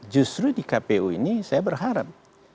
justru di kpu ini saya berharap